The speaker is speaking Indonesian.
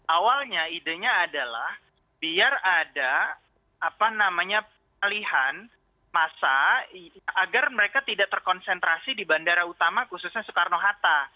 awalnya idenya adalah biar ada apa namanya masa agar mereka tidak terkonsentrasi di bandara utama khususnya soekarno hatta